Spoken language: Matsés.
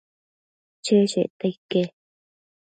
cheshecta ique